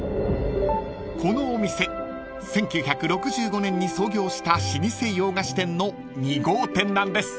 ［このお店１９６５年に創業した老舗洋菓子店の２号店なんです］